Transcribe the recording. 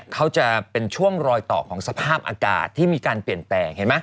เขาจะเป็นช่วงรอยต่อของสภาพอากาศที่มีการเปลี่ยนแปลงเห็นไหม